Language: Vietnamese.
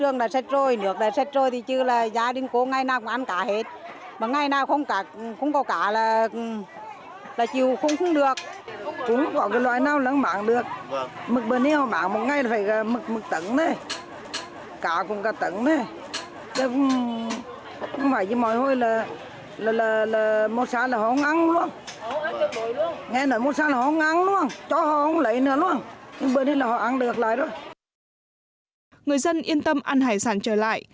người dân yên tâm ăn hải sản trở lại